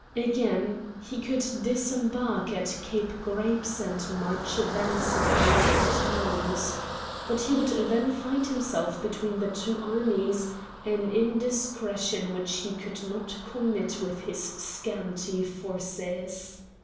Again, he could disembark at Cape Grapes and march thence upon one of the towns. But he would then find himself between the two armies, an indiscretion which he could not commit with his scanty forces.